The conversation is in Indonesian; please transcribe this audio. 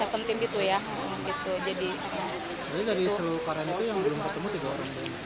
jadi dari suku karen itu yang belum ketemu tiga orang